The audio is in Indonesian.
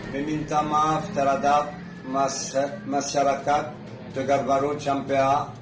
meminta maaf terhadap masyarakat tegar baru sampai